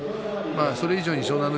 それ以上に湘南乃